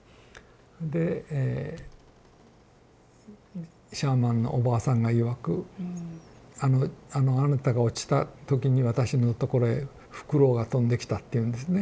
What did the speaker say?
でシャーマンのおばあさんがいわく「あなたが落ちた時に私のところへフクロウが飛んできた」って言うんですね。